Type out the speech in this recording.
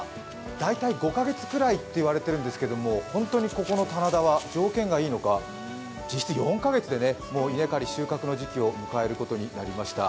大体５か月くらいと言われているんですけど、本当ここの棚田は条件がいいのか実質４か月で収穫の時期を迎えることになりました。